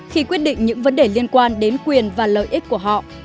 khi quyết định những vấn đề liên quan đến quyền và lợi ích của họ